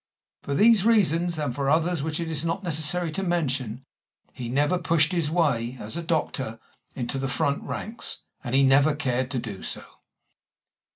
For these reasons, and for others which it is not necessary to mention, he never pushed his way, as a doctor, into the front ranks, and he never cared to do so.